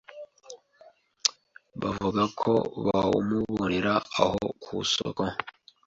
bavuga ko bawumubonera aho kusoko.